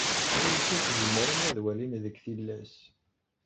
Imcac zemren ad walin deg tillas.